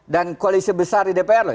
dan koalisi besar di dpr loh